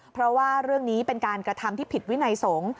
เพราะว่าเรื่องนี้เป็นการกระทำที่ผิดวินัยสงฆ์